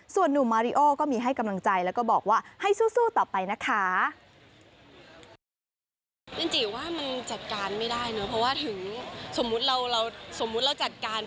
ส่วนนุ่มมาริโอก็มีให้กำลังใจแล้วก็บอกว่าให้สู้ต่อไปนะคะ